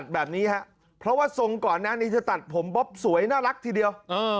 บ๊อบสวยน่ารักทีเดียว